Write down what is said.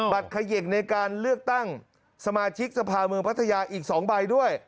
เขยกในการเลือกตั้งสมาชิกสภาเมืองพัทยาอีก๒ใบด้วย